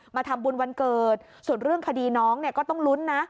มาทำบุญวันเกิดส่วนเรื่องคดีน้องเนี่ยก็ต้องลุ้นนะ